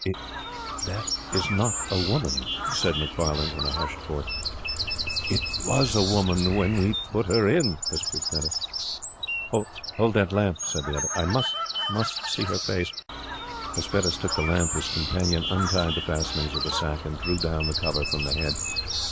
'That is not a woman,' said Macfarlane, in a hushed voice. 'It was a woman when we put her in,' whispered Fettes. 'Hold that lamp,' said the other. 'I must see her face.' And as Fettes took the lamp his companion untied the fastenings of the sack and drew down the cover from the head.